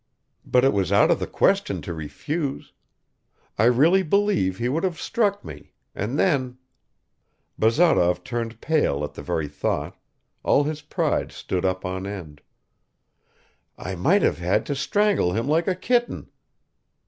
But it was out of the question to refuse; I really believe he would have struck me, and then ..." (Bazarov turned pale at the very thought; all his pride stood up on end.) "I might have had to strangle him like a kitten."